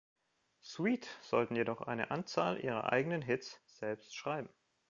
Sweet sollten jedoch eine Anzahl ihrer eigenen Hits selbst schreiben.